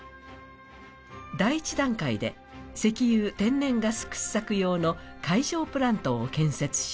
第１段階で石油・天然ガス掘削用の海上プラントを建設し